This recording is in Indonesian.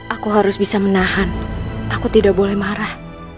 aku harus bisa menahan aku tidak boleh marah